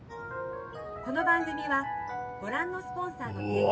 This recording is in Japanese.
この番組はご覧のスポンサーの提供で。